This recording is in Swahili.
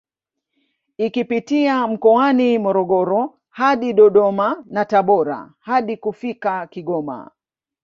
Ikipitia mkoani Morogoro hadi Dodoma na Tabora hadi kufika Kigoma